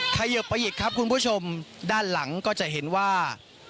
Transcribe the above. เขยิบไปอีกครับคุณผู้ชมด้านหลังก็จะเห็นว่า